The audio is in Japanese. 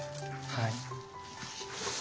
はい。